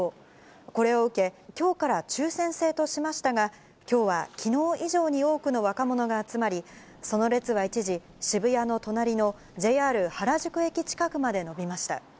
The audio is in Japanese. これを受け、きょうから抽せん制としましたが、きょうはきのう以上に多くの若者が集まり、その列は一時、渋谷の隣のＪＲ原宿駅近くまで伸びました。